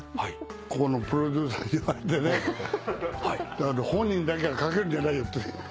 ここのプロデューサーに言われてね「本人だけが掛けるんじゃないよ」って。